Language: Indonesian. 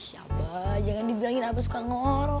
ck abah jangan dibilangin abah suka ngorok